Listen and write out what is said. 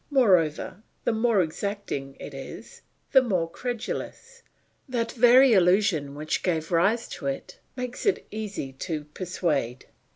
Moreover, the more exacting it is, the more credulous; that very illusion which gave rise to it, makes it easy to persuade.